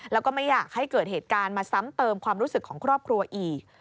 แล้วก็ไม่อยากให้เกิดเหตุการณ์มาซ้ำเติมความรู้สึกของครอบครัวอีก